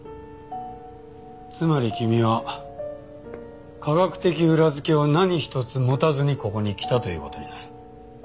つまり君は科学的裏付けを何一つ持たずにここに来たという事になる。